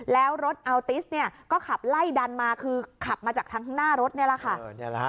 แล้วรถอัลติสเนี่ยก็ขับไล่ดันมาคือขับมาจากทางข้างหน้ารถนี่แหละค่ะ